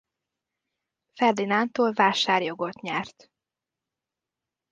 Ferdinándtól vásárjogot nyert.